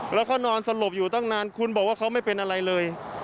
แล้วเขานอนสลบอยู่ตั้งนานคุณบอกว่าเขาไม่เป็นอะไรเลย